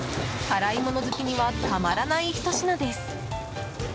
辛いもの好きにはたまらないひと品です。